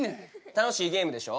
楽しいゲームでしょ？